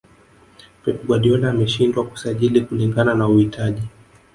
pep guardiola ameshindwa kusajili kulingana na uhitaji